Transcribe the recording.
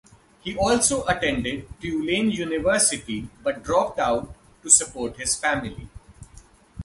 He also attended Tulane University but dropped out to support his family.